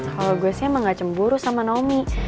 kalo gue sih emang gak cemburu sama naomi